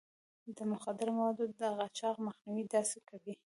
د مخدره موادو د قاچاق مخنيوی داسې کوي.